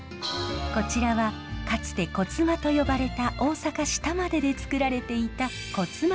こちらはかつて勝間と呼ばれた大阪市玉出でつくられていた勝間